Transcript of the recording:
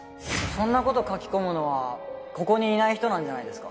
そんな事書き込むのはここにいない人なんじゃないですか？